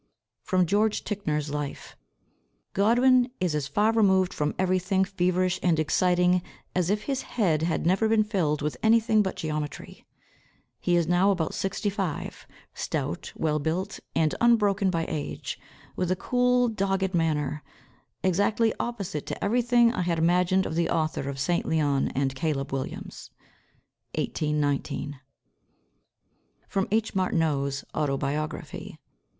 '" [Sidenote: George Ticknor's Life.] "Godwin is as far removed from everything feverish and exciting as if his head had never been filled with anything but geometry. He is now about sixty five, stout, well built, and unbroken by age, with a cool, dogged manner, exactly opposite to everything I had imagined of the author of St. Leon and Caleb Williams." 1819. [Sidenote: H. Martineau's Autobiography.